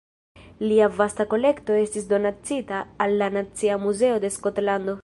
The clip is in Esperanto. Lia vasta kolekto estis donacita al la Nacia Muzeo de Skotlando.